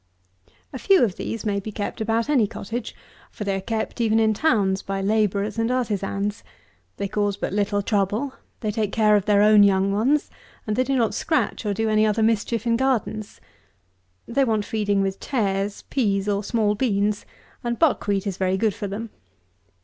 A few of these may be kept about any cottage, for they are kept even in towns by labourers and artizans. They cause but little trouble. They take care of their own young ones; and they do not scratch, or do any other mischief in gardens. They want feeding with tares, peas, or small beans; and buck wheat is very good for them.